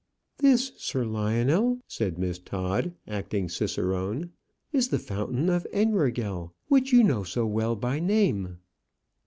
"This, Sir Lionel," said Miss Todd, acting cicerone, "is the fountain of Enrogel, which you know so well by name."